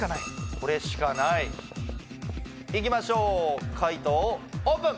これしかないいきましょう回答オープン！